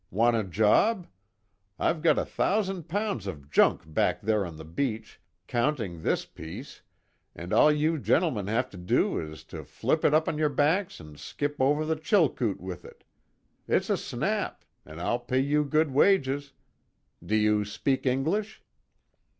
Want a job? I've got a thousand pounds of junk back there on the beach, counting this piece, and all you gentlemen have got to do is to flip it up onto your backs and skip over the Chilkoot with it it's a snap, and I'll pay you good wages. Do you speak English?"